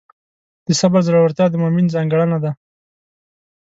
د صبر زړورتیا د مؤمن ځانګړنه ده.